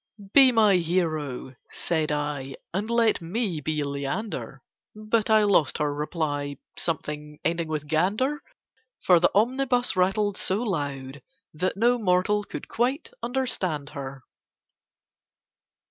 "Be my Hero," said I, "And let me be Leander!" But I lost her reply— Something ending with "gander"— For the omnibus rattled so loud that no mortal could quite understand her.